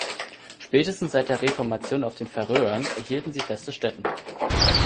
Spätestens seit der Reformation auf den Färöern erhielten sie feste Stätten.